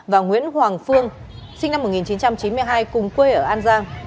và nguyễn hoàng phương sinh năm một nghìn chín trăm chín mươi hai cùng quê ở an giang